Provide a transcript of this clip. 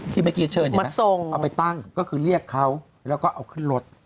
เมื่อกี้เชิญมาทรงเอาไปตั้งก็คือเรียกเขาแล้วก็เอาขึ้นรถ